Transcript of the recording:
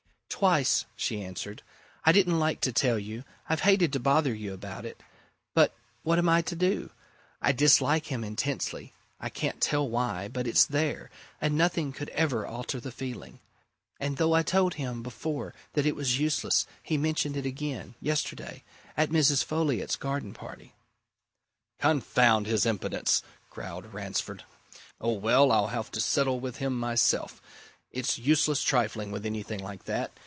"Twice," she answered. "I didn't like to tell you I've hated to bother you about it. But what am I to do? I dislike him intensely I can't tell why, but it's there, and nothing could ever alter the feeling. And though I told him before that it was useless he mentioned it again yesterday at Mrs. Folliot's garden party." "Confound his impudence!" growled Ransford. "Oh, well! I'll have to settle with him myself. It's useless trifling with anything like that.